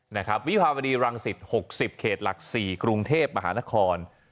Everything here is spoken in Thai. นะครับวิภาพดีรังศิษฐ์หกสิบเขตหลักสี่กรุงเทพมหานคร